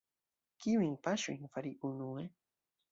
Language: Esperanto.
Kiujn paŝojn fari unue?